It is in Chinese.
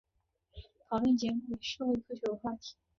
讨论节目以社会科学为话题。